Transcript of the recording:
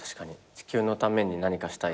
地球のために何かしたいです。